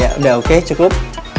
ya udah oke cukup